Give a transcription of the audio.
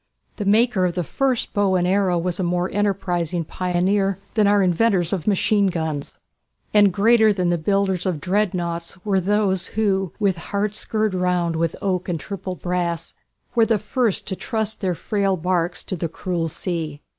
The maker of the first bow and arrow was a more enterprising pioneer than our inventors of machine guns. And greater than the builders of "Dreadnoughts" were those who "with hearts girt round with oak and triple brass" were the first to trust their frail barques to "the cruel sea."